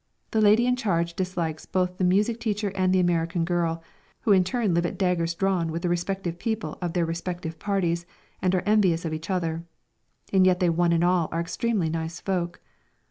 The lady in charge dislikes both the music teacher and the American girl, who in turn live at daggers drawn with the respective people of their respective parties and are envious of each other. And yet they one and all are extremely nice folk.